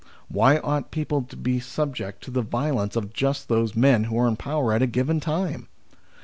Why ought people to be subject to the violence of just those men who are in power at a given time